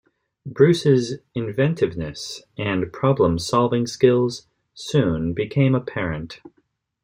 Bruce's inventiveness and problem solving skills soon became apparent.